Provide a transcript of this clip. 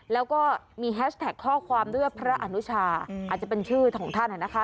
แล้วก็มีแฮชแท็กข้อความด้วยพระอนุชาอาจจะเป็นชื่อของท่านนะคะ